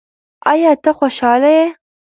ایا ته خوشاله یې؟